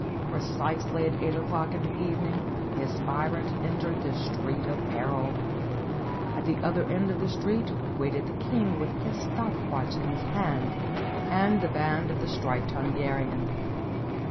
in Precisely at eight o'clock in the evening the aspirant entered the Street of Peril. At the other end of the THE STREET OF PERIL 333 street waited the king with his stop watch in his hand, and the band of the Striped Hungarians.